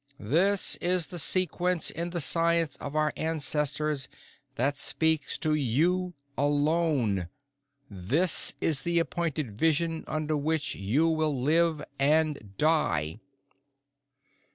"This is the sequence in the science of our ancestors that speaks for you alone. This is the appointed vision under which you will live and die."